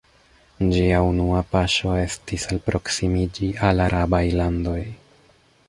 Ĝia unua paŝo estis alproksimiĝi al arabaj landoj.